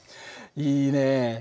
いいね。